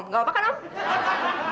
gak apa apa kan om